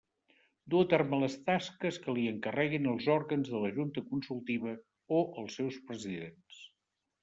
Dur a terme les tasques que li encarreguin els òrgans de la Junta Consultiva o els seus presidents.